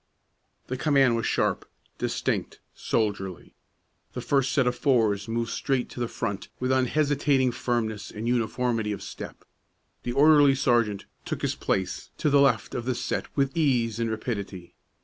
The command was sharp, distinct, soldierly. The first set of fours moved straight to the front with unhesitating firmness and uniformity of step; the orderly sergeant took his place to the left of the set with ease and rapidity.